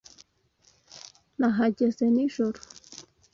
Nahageze nijoro.